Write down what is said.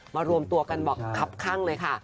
รวมตัวกันบอกครับข้างเลยค่ะ